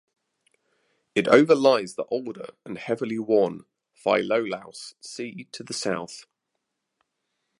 It overlies the older and heavily worn Philolaus C to the south.